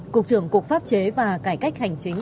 cục trưởng cục pháp chế và cải cách hành chính